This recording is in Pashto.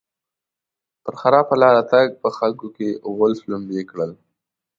پر خراپه لاره تګ؛ په خلګو کې غول شلومبی کړل.